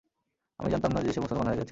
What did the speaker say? আমি জানতামনা যে, সে মুসলমান হয়ে গেছে।